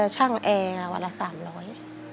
ช่างแอร์วันละสามร้อย